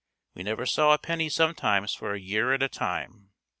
We never saw a penny sometimes for a year at a time.